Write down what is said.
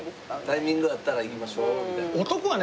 タイミング合ったら行きましょうみたいな。